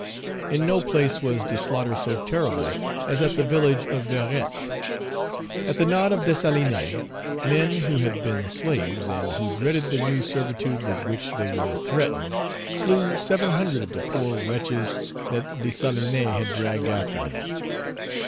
In no place was the slaughter so terrible as at the village of Verettes. At the nod of Dessalines, men who had been slaves, and who dreaded the new servitude with which they were threatened, slew seven hundred of the poor wretches that Dessalines had dragged after him.